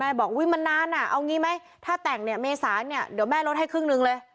บอกอุ๊ยมันนานอ่ะเอางี้ไหมถ้าแต่งเนี่ยเมษาเนี่ยเดี๋ยวแม่ลดให้ครึ่งหนึ่งเลย